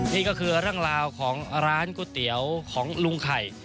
นี่ก็คือเรื่องราวของร้านก๋วยเตี๋ยวของลุงไข่